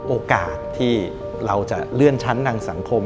โอกาสที่เราจะเลื่อนชั้นทางสังคม